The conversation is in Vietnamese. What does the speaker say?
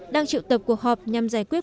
đang triệu tập cuộc họp nhằm giải quyết